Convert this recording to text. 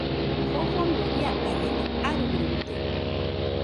Jofomo iakañede, aruiruite